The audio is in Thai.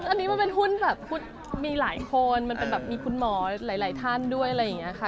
อันนี้มันเป็นหุ้นแบบมีหลายคนมันเป็นแบบมีคุณหมอหลายท่านด้วยอะไรอย่างนี้ค่ะ